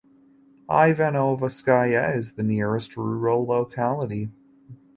Ivanovskaya is the nearest rural locality.